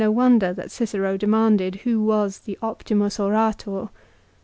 335 wonder that Cicero demanded who was the " Optimus Orator."